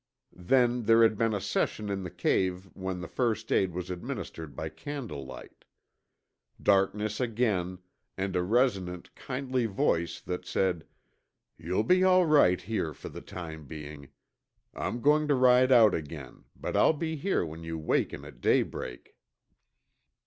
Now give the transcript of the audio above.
Then there had been a session in the cave when the first aid was administered by candlelight. Darkness again, and a resonant, kindly voice that said, "You'll be all right here for the time being. I'm going to ride out again, but I'll be here when you waken at daybreak."